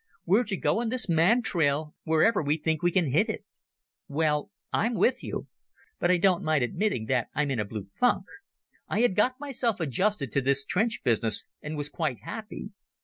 We're to go on this mad trail wherever we think we can hit it. Well, I'm with you. But I don't mind admitting that I'm in a blue funk. I had got myself adjusted to this trench business and was quite happy.